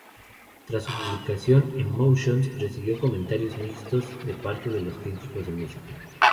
Tras su publicación, "Emotions" recibió comentarios mixtos de parte de los críticos de música.